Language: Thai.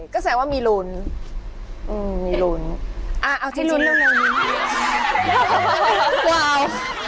ก็แสดงว่ามีลุ้นอืมมีลุ้นอ่าเอาที่ลุ้นเร็วเร็วนิดหนึ่ง